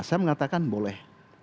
saya mengatakan boleh